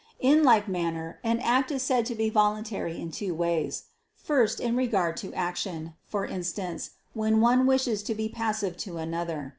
In like manner an act is said to be voluntary in two ways. First, in regard to action, for instance, when one wishes to be passive to another.